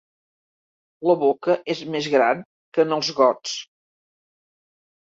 La boca és més gran que en els gots.